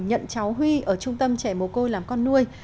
nhận cháu huy ở trung tâm trẻ mồ côi làm con nuôi